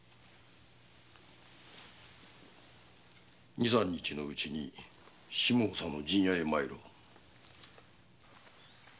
二三日のうちに下総の陣屋へ参ろう。